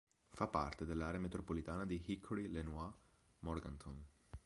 Fa parte dell'area metropolitana di Hickory-Lenoir-Morganton.